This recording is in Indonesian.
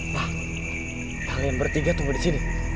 nah kalian bertiga tunggu di sini